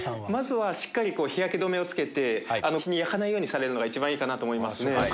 しっかり日焼け止めをつけて日に焼かないようにされるのが一番いいかなと思いますね。